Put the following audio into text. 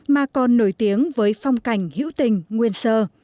mà còn nổi tiếng với phong cảnh hữu tình nguyên sơ